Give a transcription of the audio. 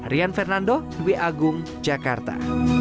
rian fernando dwi agung jakarta